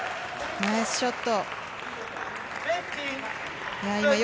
ナイスショット！